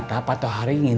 tunggu uma buzzing